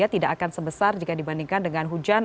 tidak akan sebesar jika dibandingkan dengan hujan